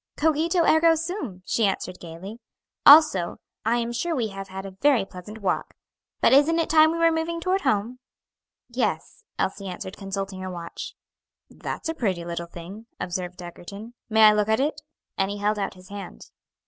"Cogito, ergo sum," she answered gayly, "Also I am sure we have had a very pleasant walk. But isn't it time we were moving toward home?" "Yes," Elsie answered, consulting her watch. "That's a pretty little thing," observed Egerton. "May I look at it?" And he held out his hand.